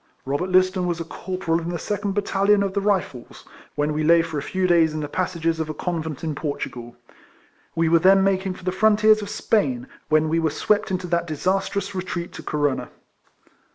Robert Liston was a corporal in the second battalion of the Rifles, when we lay for a few days in the passages of a convent in Portugal. We were then making for the frontiers of Spain, when we were swept into that disastrous retreat to Corunna.